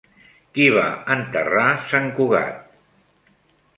Qui va enterrar sant Cugat?